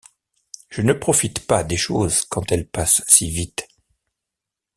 Je ne profite pas des choses quand elles passent si vite.